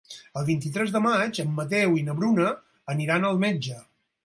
El vint-i-tres de maig en Mateu i na Bruna aniran al metge.